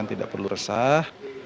tidak perlu resah